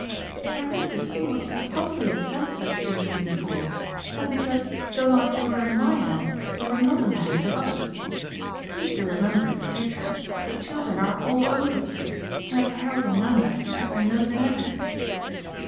"I read to see what you could possibly have sent such things to me for, and because so long as they were in my hands they were not in the hands of others. Please to remember in future that the children are all over the place and that Harold and Nanda have their nose in everything."